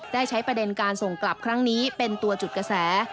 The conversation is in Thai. ได้ใช้ประเด็นการส่งกลับครั้งนี้เป็นตัวจุดกระแส